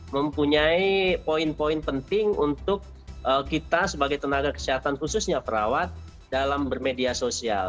mempunyai poin poin penting untuk kita sebagai tenaga kesehatan khususnya perawat dalam bermedia sosial